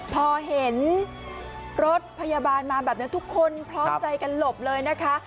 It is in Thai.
พอเห็นรถพยาบาลมาแบบนี้ทุกคนพร้อมใจกันหลบเลยนะคะ